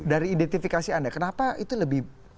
dari identifikasi anda kenapa itu lebih